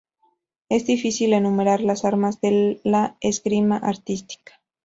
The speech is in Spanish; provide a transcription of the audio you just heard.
Es difícil enumerar las armas de la esgrima artística.